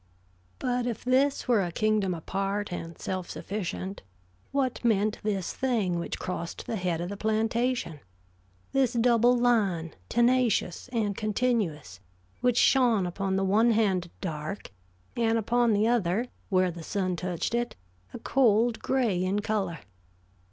But if this were a kingdom apart and self sufficient, what meant this thing which crossed the head of the plantation this double line, tenacious and continuous, which shone upon the one hand dark, and upon the other, where the sun touched it, a cold gray in color?